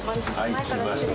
きました。